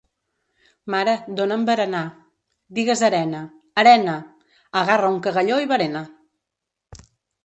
Mare, done'm berenar. —Digues arena. —Arena! —Agarra un cagalló i berena!